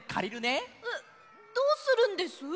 えっどうするんです？